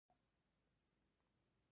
چمن فالټ لاین څومره اوږد دی؟